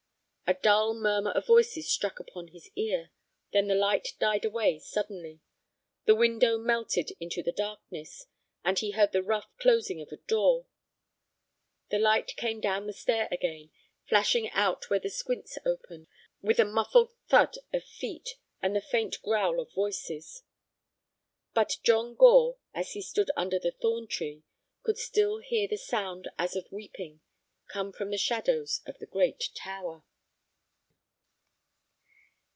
A dull murmur of voices struck upon his ear. Then the light died away suddenly, the window melted into the darkness, and he heard the rough closing of a door. The light came down the stair again, flashing out where the squints opened, with a muffled thud of feet and the faint growl of voices. But John Gore, as he stood under the thorn tree, could still hear the sound as of weeping coming from the shadows of the great tower.